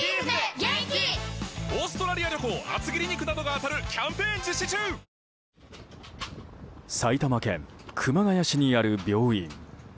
わかるぞ埼玉県熊谷市にある病院。